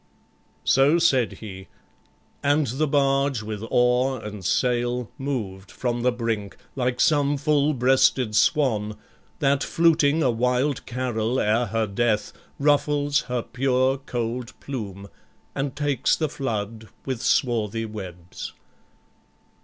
So said he, and the barge with oar and sail Moved from the brink, like some full breasted swan That, fluting a wild carol ere her death, Ruffles her pure cold plume, and takes the flood With swarthy webs.